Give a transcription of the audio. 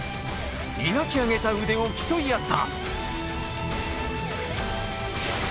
磨き上げた腕を競い合った。